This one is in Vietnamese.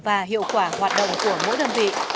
và hiệu quả hoạt động của mỗi đơn vị